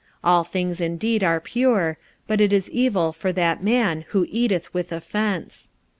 All things indeed are pure; but it is evil for that man who eateth with offence.